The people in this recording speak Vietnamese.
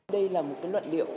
đây là một cái luật liệu